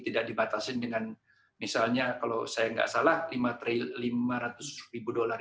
tidak dibatasin dengan misalnya kalau saya nggak salah lima ratus ribu dolar